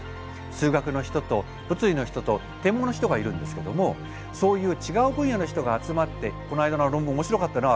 数学の人と物理の人と天文の人がいるんですけどもそういう違う分野の人が集まって「この間の論文面白かったな」。